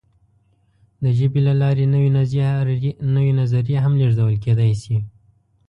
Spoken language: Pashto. د ژبې له لارې نوې نظریې هم لېږدول کېدی شي.